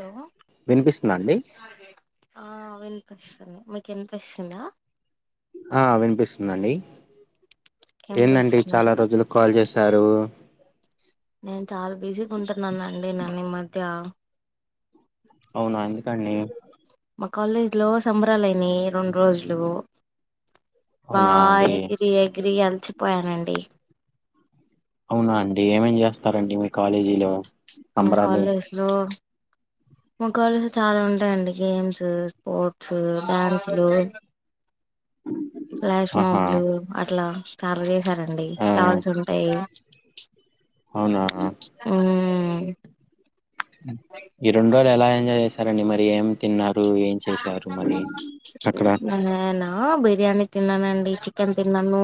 Hello వినిపిస్తుదా అండి ఆ విన్పిస్తుంది మీకు విన్పిస్తుందా ఆ వినిపిస్తుందండి ఏం ఏందండి చాలా చేస్తున్నారు రోజులకు కాల్ చేశారు నేను చాలా బిజీగా ఉంటున్నానండి నన్ను ఈ మధ్య అవునా [unintelligible] కండి మా కాలేజీలో సంబరాలయినాయి రెండు రోజులు బా అవునా అండి ఎగిరి ఎగి తిరిగి అలిసిపోయానండి అవునా అండి ఏమేం చేస్తారండి మీ కాలేజీలో మా సంబరాలు కాలేజ్ లో మా కాలేజ్ లో చాలా ఉంటాయండి గేమ్స్ స్పోర్ట్స్ డ్యాన్సులు ఫ్లాష్ ఆహా మాబ్లు అట్లా కర్వే సరండి ఆ స్టాల్స్ ఉంటాయి అవునా మ్ ఈ రెండ్రోజులెలా ఎంజాయ్ చేశారండి మరి ఏం తిన్నారు ఏం చేశారు మరి అక్కడ నేను బిర్యానీ తిన్నానండి చికెన్ తిన్నాను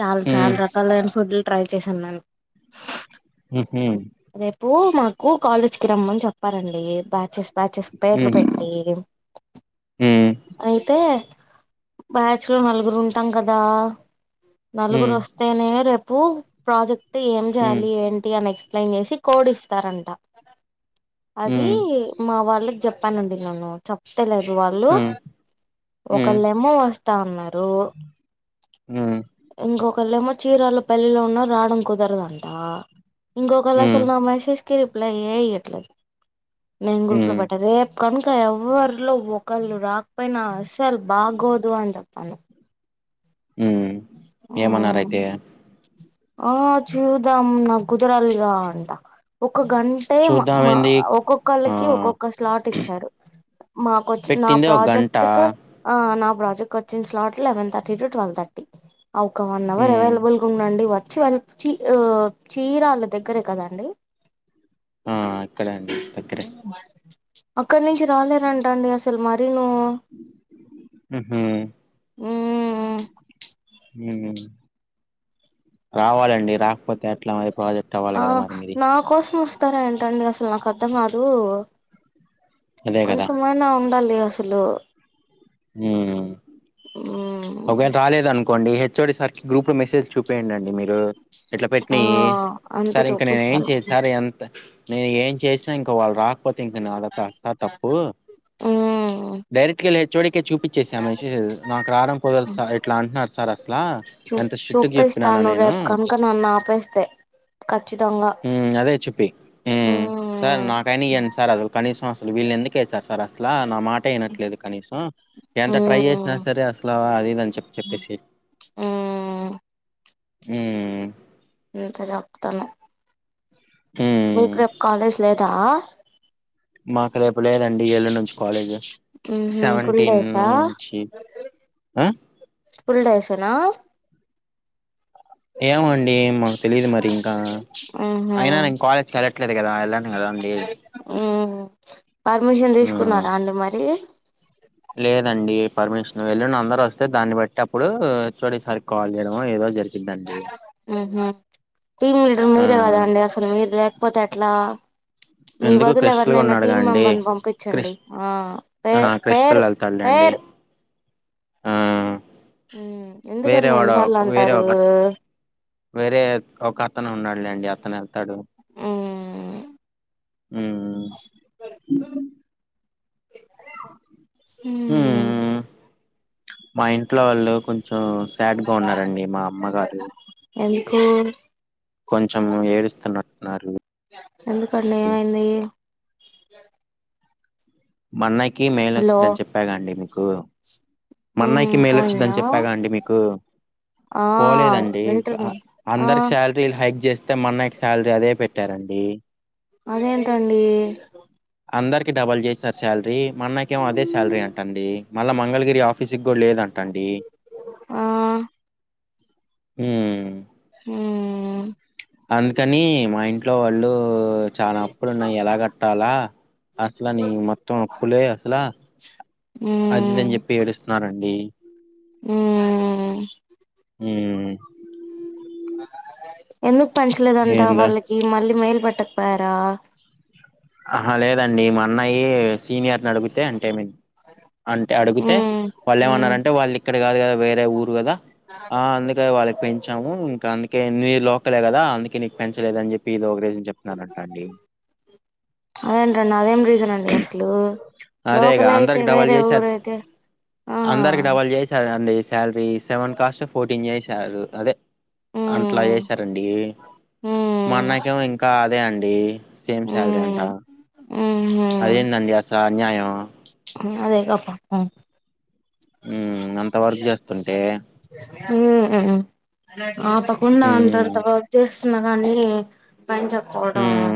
చాల మ్మ్ చాల రకాలైన ఫుడ్ లు ట్రై చేశాన్నాను మ్హూ రేపూ మా కు కాలేజ్ కి రమ్మని చెప్పారండి బ్యాచెస్ బ్యాచెస్ పేర్లు మ్మ్ పెట్టి మ్మ్ అయితే బ్యాచ్ లో నలుగురు ఉంటాం కదా నలుగురు మ్మ్ వస్తేనే రేప్ పో ప్రాజెక్ టి ఏం మ్మ్ జాలి ఏంటి అనకి ప్లైన్ చేసి కోడ్ ఇస్తారంట అది మ్మ్ మా వాళ్ళ చెప్పానుండి నన్ను చప్ [unintelligible] అది వాళ్ళు మ్మ్ ఒక మ్మ్ లెమ్మో వస్ తా ఉన్నారు మ్మ్ ఇంకొకల్లేమో చీరాలో పెళ్లిలో ఉన్న రాడం కుదరదంటా ఇంకొకళ అసలు నా మెసేజ్ కి రిప్లై ఈ ట్లే నేన్ గ్రూప్ లో మ్మ్ మ్మ్ పెట్ట రేపు కనుక ఎవ్వరిలో ఒకళ్ళు రాకపోయినా ల్ బాగోదు అన్ చొప్పల్లా హ్మ్ ఏమన్నారయితే ఆ చూదాం నా కుదరాలిగా అంట ఒ ఒక్క గంటే మ మ చూద్దామేంది ఒక్కొక్కళ్ళకీ ఆ ఒక్కొక్క స్లాట్ ఇచ్చారు. మా కొచ్చి నా పెట్టిందే ఒక గంట ప్రాజెక్ట్ కు ఆ నా ప్రాజెక్ వచ్చిన slot eleven thirty to, twelve thirty. ఆ ఒక్క వన్ అవర్ ఉమ్ అవైలబుల్ గా ఉండండి వ చివళ్ చీ ఓ చీర వాళ్ళ దగ్గరే కదండి ఆ అక్కడేం ప్చ్ అక్కడ నుంచి రాలేరంట అండి అసలు మర్ ఉహు [unintelligible] మ్మ్ హ్మ్ రావాలండి రాకపోతే ఎట్లామరి ఆ నా కోస్ మస్ త్తర అంటండి అసలు నాకు అర్థం కాదు అదే కదా కొంచమైనా ఉండాలిగ స్సలు మ్మ్ హ్ ఒకవేల రాలేదను కోండి హెచ్ ఓ డి సార్కి గ్రూప్ లో మెసేజ్ చూపయండండి మీరు ఎట్లా ఆ పెట్టినయి అంతే సార్ ఇంక నేను ఏం చూపిస్తాను చేయను సార్ ఎంత నేను ఏం చేసినా ఇంక వాళ్ళు రాకపోతే ఇంక నా వల్ల కాదు సార్ తప్పు మ్మ్ డైరెక్ట్గా వెళ్ కే చూపించేసా మెసేజ్ నాకు రాడం స ఇట్ల అంటున్నారు సార్ అసలా చూ ఎంత స్ట్రిక్ట్ గా చెప్తున్నానో చూపిస్తాను నేను రేపు కనుక నన్ను ఆపేస్తే ఖచ్చితంగా హ్మ్ అదే చూపీ హ్మ్ సార్ నాకైనా ఇయ్యండి సార్ అంది కనీసం అసలు వీళ్ళు ఎందుకు వేసారు సార్ అసలా నా మాటేయినట్లేదు కనీసం హ్మ్ ఎంత ట్రై చేసిన సరే అస్ ఆ అదిఇదని చెప్పి చెప్పేసెయ్ హ్మ్ ఇంతెచెప్తాను హ్మ్. మీకు రేపు కాలేజ్ లేదా? మాకు రేపు లేదండి ఏళ్ళ నుంచి, కాలేజ్ మ్హూ ఫుల్ సెవెంటీన్ డేసా నుంచి. ఆ ఫుల్ డేసేనా ఏమండి మాకు తెలీదు మరి ఇంకా అయినా నేను కాలేజ్కి కదా ఎ ఓ పర్మిషన్ హ్మ్. తీసుకున్నారా అండి మరి లేదండి పర్మిషన్ వెళ్ళండ అందరు వస్తే దాన్ని బట్టి అప్పుడు చేసారి కాల్ చేయము ఏదో జరిగింది. టీమ్ లీల్డర్ మీరే ఆ! కదా అండి అసలు మీరు లేకపోతే అట్లా. మీ ఎందుకు బదులు క్రిస్టల్ గా ఎవరినైనా ఉన్నాడుగా టీం అండి మెంబర్ని పంపించండి. క్రిష్ ఆ పే ఆ క్రిస్టల్ పేరు వెళ్తాడులేండి పేరు ఆ మ్ వేరే ఎందుకండి వాడు, ఎన్నిసార్లు వేరే అంటారు ఒక వేరే ఒక అతను ఉన్నాడు. అండి అతన తడు మ్ ఆ [unintelligible] ఉమ్ హ మా ఇంట్లో వాళ్ళు కొంచెం కొంచెం సాడ్గా ఉన్నారండి. మా అమ్మగారు హ కొంచము ఏడుస్తున్నట్టున్నారు. ఎందు కడలే ఎంది మా అన్నయ్య కి కి మెయిల్ హలో వచ్చిందని చెప్పాగా అండి, మీకు మ్ మన్నయకి మెయిల్ పోయిందా వచ్చిందని చెప్పాగా అండి మీకు. ఆ పోలేదండి వింటున్నా ఆ అందరికి శాలరీ హైక్ చేస్త స్తే మన్నాయకి శాలరీ అదే పెట్టారండి. అదేంటండి అందరి డబుల్ చేస్తారు శాలరీ మనకి ము్యం అదే సాలరీ అంట అండి మళ్ళ మంగళగిరి ఆఫీస్కి కూడా లేదంట. తండడి ఆ హ హ అందుకని మా ఇంట్లో వాళ్ళు చాలా అప్పులున్నాయి. ఎలా కట్టాలా అసలు నీ మొత్తం అప్పులే అసలు అదిదని చెప్పి ఏడుస్తున్నారండి. ఉ ఉ ఎందుకు పంచలేదంటా ఏందో వాళ్ళకి మళ్ళీ మెయిలు పెట్ట పర ఆహా లేదండి మా అన్నయ సీనియర్ని అడిగితే అంటే అంటే అడిగితే ఉమ్ వాళ్ళు ఉమ్ ఏమన్నారుంటే వాళ్ళు ఇక్కడ కాదు కదా వేరే ఊరు కదా ఆ అందుకద వాళ్ళకి పెంచి యావు ఇంకా అందుకే నీ లోకలే కదా అందుకే నీక్ పెంచలేదు అని చెప్పి ఇది ఒక రీసన్ చెప్తురంట అండి అదేంటన్నా అదేం రీజన్ అండి అసలు అదేగా లోకల్ అయితే అందరికి డబల్ వేరే చేశారు ఊరైతే ఆ సాలరీ సెవెన్ కాస్ట్ ఫోర్టీన్ చేయి సారు అదే అన్ ట్లా ఉమ్ చేసారండి మా ఉమ్ అన్నకేమో ఇంకా అదే అండి సేమ్ సాలరీ ఉమ్ అంటా ఉహు అది ఏదండి ఆస్ ఆ న్యాయం అదే గా పాపం ఉ అంత వర్క్ చేస్తుంటే ఉ ఆపకున్న ఉమ్ అంతంత ఉ్యఏస్ ఉన్న గాని పంచకు పోడం ఉమ్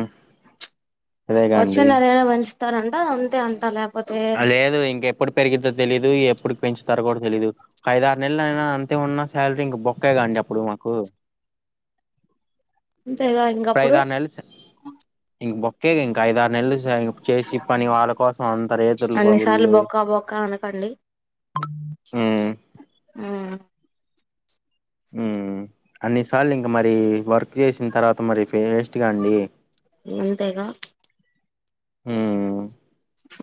అదేగా వచ్చు అండి నరాయనా వచ్చు తారు అంట అంతే అంటా లేప్ ఆ లేదు ఇంక ఎప్పుడు పెరిగిందో తెలీదు ఎప్పుడు పెంచ్ తర కూడా తెలిదు ఒక ఐదు ఆరు నెలలు అయినా అంతే ఉన్న శాలరీ ఇంక బొక్కేగా అండి అప్పుడు మాకు అంతేగా ఇప్పుడు ఇంకప్పుడు ఇది ఇంకా ఐదు ఆరు నెలలు ఇంచు జయ్ గపు చేసి పని వాళ్ళ కోసం అంతా రేత్తూరు లు అన్నిసార్లు పగుళ్ళు బొక్క బొక్క అనకండి ఆ ఉమ్ ఉ అన్ని సార్లు ఇంకా మరి వర్క్ చేసిన తర్వాత మరి ఫేస్ట్గా అండి అంతేగా ఆ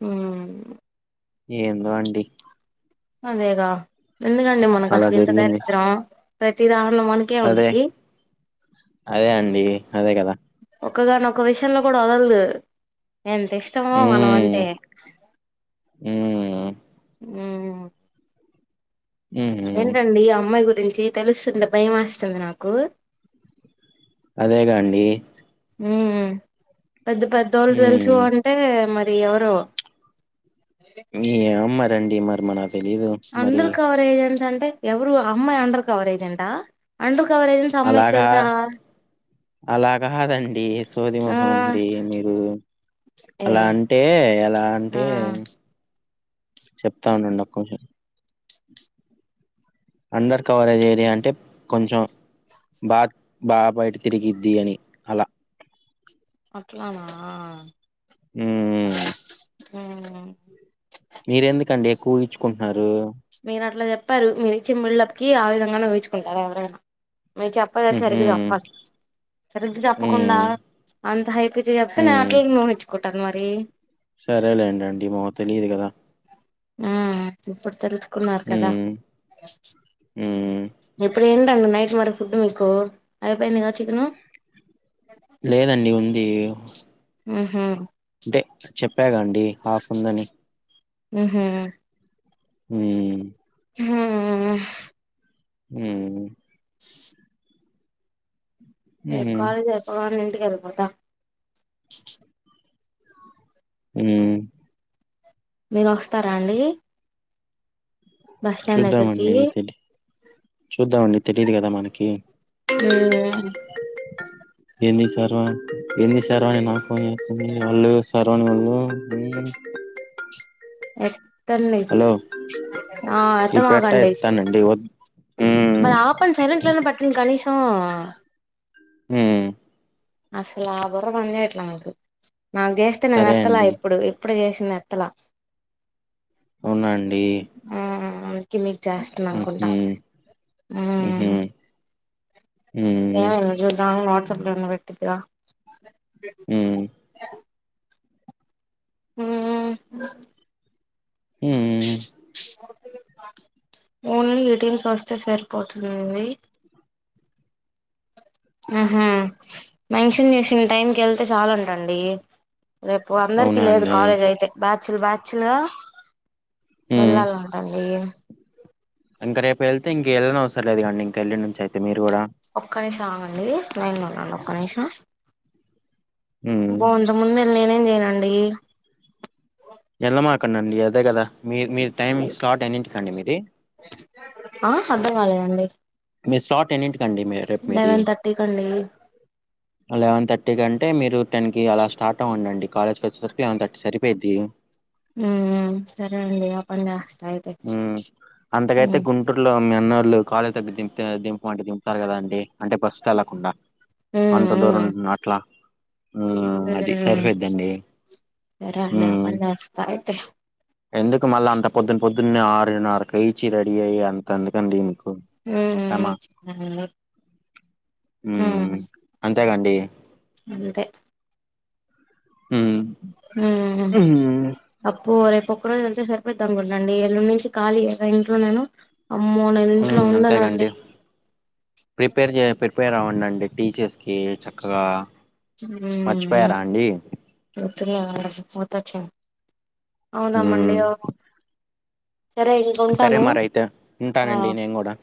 అ ఏందో అండి అదేగా ఎందుకాండి మొన అలా అస్సలు ఇంత జరిగింది దరిద్రం ప్రతిద మనకే అదే ఉండికి అదే అండి అదే కదా ఒక్కగాని ఒక విషయంలో కూడా వదలదు ఎంత ఇష్టమో మనం ఉమ్ అంటే ఉమ్ ఉ ఉహు ఏంటండి ఈ అమ్మాయి గు రించి తెలుస్తుంటె భయం ఏస్తుంది నాకు అదేగా అండి హ్ పెద్ద పెద్దోళ్ళు తెలుసు ఉమ్ అంటే మరి ఎవరో ఏమ్ మ రండి మరి ఎమ్మె నాక్ అందరి కవరేగ అంటే ఎవరు అమ్మాయి అండర్ కవరేజ్ అంట అండర్ కవర్ ఏజెంట్స్ అమ్మాయికి అలాగా తెలుసా అలాగాదండి. సోది ఆ మొహంది మీరు ఏ అలా అంటే ఆలా ఆ అంటే చెప్తా ఉండండి నా కొంచం అండర్ కవరేజ్ ఏరియా అంటే కొంచెం బా బా బయట తిరిగిద్ది అని అలా అట్లానా హ్ హ్ హ్ మీరు ఎందుకండి ఎక్కువ హుహిం చ్చుకుంటున్నారు మీరు అట్లా చెప్పారు. మీరు ఇచ్చినా బిల్డప్ కి ఆ విధంగానే హుహిం చుకుంటారు. ఎవరైనా మీరు చెప్ప లేదు. అ హుహు. సరిగ్గా చెప్పాలి సరిగా చెప్పకుండా హ్మ్. అంత హైప్ ఇచి చెప్తే నా హ్మ్. క్ నేను అట్లనే ఊహించుకుంట కదా మరి సరేలేండండి మాకు తెలియదు గాదా ఆ ఇప్పుడు తెల్సు కున్నారు కదా హ్మ్. హ్మ్. ఇప్పు ఎంట అండి నైట్ మరీ ఫుడ్ మీకు అయిపోయింది గా చికెన్ లేదండి ఉంది హ్ హు అంటే చెప్పాగా అండి హాఫ్ ఉందని. హ్ హు హ్ హ్ హు హ్ హ్మ్. కాలేజీ అయిపోగానే ఇంటికి ఎల్లిపోతాం హు మీరు వస్తారా అండి బస్ స్టాండ్ దగ్గరికి చూద్దామండి తె చూద్దామండి తెలీదు కదా మనకి కి ఉ ఎన్ని సర్వ ఎన్ని సర్వానా కొన్ని [unintelligible] సర్వని వాళ్ళు ఏ ఎత్తండి హలో ఆ ఈ పెట్ట ఏత్తమాకండి ఎత్తుతానండి. వద్ హ్మ్. మరి ఆపండి సైలెంట్ లో అయినా పెట్టండి కనీసం హు అసలా బుర్ర పంచేయట్లా నాకు నాకు చేస్తే నేను సరే ఏత్తలా అండి. ఇప్పుడు ఇప్పుడే చేస్ నేను ఏత్తలా అవునా అండి అవును తిమీ చేస్తుంది అనుకుంటా హుహు. ఊ హుహు. హ్మ్. ఏమయిందో చూద్దాము నోట్ డున్ను బెట్టిదీగా హ్మ్ హ్మ్ హ్మ్మ్ ఓన్లీ ఈటీమ్స్ వస్తే సరిపోతుంది ఇవి ఆహా మనిషిని చూసిన టైంకి వెళ్తే చాలాంటాండీ రేపు అందరికి అవునా లేదు అండి. కాలేజ్ అయితే బ్యా బ్యాచ్లూ బ్యాచ్లు హ్మ్. వెళ్ళాలాంటండీ ఇంక రేపు వెళ్తే ఇకెళ్ళనవసరం లేదుకదండి ఇంక ఎల్లుండ్ నుంచియితే మీరు కూడా ఒక్క నిషం ఆగండి లైన్లుండండి ఒక్క నిషం హ్మ్. బొందా ముందే నేనేం చేయనండి టైమింగ్స్ స్లాట్ ఎన్నింటికండి మీది ఆ అర్థం కాలేదండి మీ స్లాట్ ఎన్నింటి అండి రేపు మీది లెవెన్ థర్టీకి అండి లెవెన్ థర్టీ కంటే మీరు టెన్ కి అలా స్టార్ట్ అవ్వండండి కాలేజ్ కి వచ్చేసరికి లెవెన్ థర్టీ సరిపోయిద్ది. హ్మ్ మ్మ్ సరే అండి ఆ పని చేస్తా అయితే ఎన్నాళ్లు కాలేజ్ దగ్గర దిం దింపమంటే దింపుతారు కదా అండి అంటే బస్సుకెళ్ళకుండా ఉమ్ అంత ఉమ్ దూరం అట్లా హ్మ్. అది సరిపోయిద్దండి. సరే లే ఆ హ్మ్. పని చేస్తా అయితే ఎందుకు మళ్ళ అంత పొద్దున్న పొద్దున్నే ఆరున్నర కి లేచి రెడీ అయ్యి అంత ఎందుకండి మీకు హ్మ్ శ్రమ? మ్మ్ చెప్పాలి హ్మ్ అంతే గా అండి అంతే హ్మ్ హ్మ్ హ్మ్. అప్పు రే ఒక్క రోజు వెళితే సరిపోయిద్దనుకుంటండి ఎల్లుండి నుంచి ఖాళీయేగా ఇంట్లో నేను అమ్మో నేను ఇంట్లో హ్మ్ ఉండనండి అంతేగండి ప్రిపేర్ చే ప్రిపేర్ అవ్వండండి టీ సి ఎస్కి చక్కగా హ్మ్ మ్మ్ మర్చిపోయారా అండి? గుర్తులేదు మోతచ్చ అవుదామండి హ్మ్. అవుదాం సరే మరైతే ఆ ఉంటానండి నేను కూడా